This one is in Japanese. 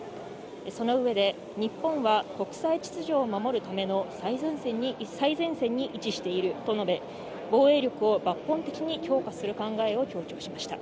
その上で、日本は、国際秩序を守るための最前線に位置していると述べ、防衛力を抜本的に強化する考えを強調しました。